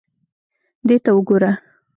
دې ته وګوره.